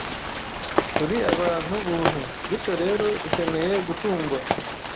Turi abantu buntu, bityo rero dukeneye gutungwa